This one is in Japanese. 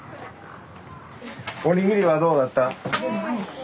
おにぎりはどうだった？